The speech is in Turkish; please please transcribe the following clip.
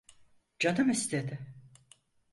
Canım istedi…